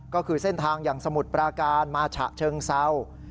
ก็คือเส้นทางอย่างสมุทรปราการมาฉะเชิงเศร้า